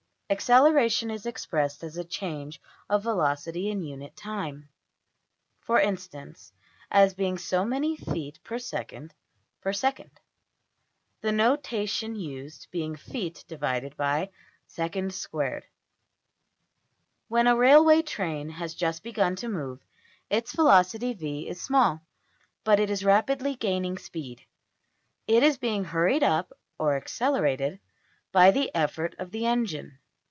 Acceleration is expressed as a change of velocity in unit time, for instance, as being so many feet per second per second; the notation used being $\text{feet} ÷ \text{second}^2$. When a railway train has just begun to move, its velocity~$v$ is small; but it is rapidly gaining speed it is being hurried up, or accelerated, by the effort of the engine.